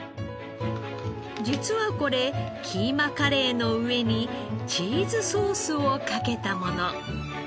実はこれキーマカレーの上にチーズソースをかけたもの。